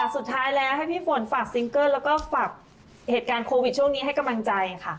สุดท้ายแล้วให้พี่ฝนฝากซิงเกิ้ลแล้วก็ฝากเหตุการณ์โควิดช่วงนี้ให้กำลังใจค่ะ